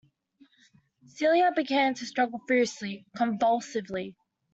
Celia began to struggle furiously, convulsively.